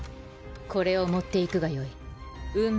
これを持っていくがよ